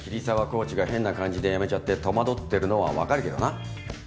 コーチが変な感じで辞めちゃって戸惑ってるのはわかるけどな。